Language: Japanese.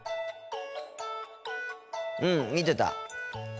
うん見てた。